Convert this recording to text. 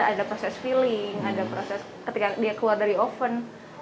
ada proses feeling ada proses ketika dia keluar dari oven